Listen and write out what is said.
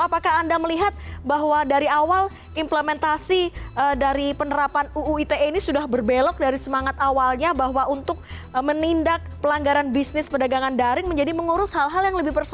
apakah anda melihat bahwa dari awal implementasi dari penerapan uu ite ini sudah berbelok dari semangat awalnya bahwa untuk menindak pelanggaran bisnis perdagangan daring menjadi mengurus hal hal yang lebih berbahaya